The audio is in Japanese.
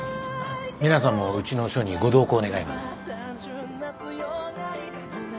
皆さんもうちの署にご同行願います。